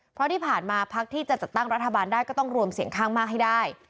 เพราะที่ผ่านมาพักที่จะจัดตั้งรัฐบาลได้ก็ต้องรวมเสียงข้างมากให้ได้